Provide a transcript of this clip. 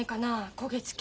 焦げ付き。